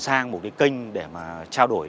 sang một kênh để trao đổi